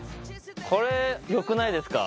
これ良くないですか？